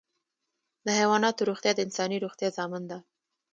د حیواناتو روغتیا د انساني روغتیا ضامن ده.